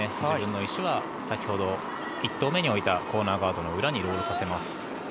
自分の石は、先ほど１投目に置いたコーナーガードの裏にロールさせます。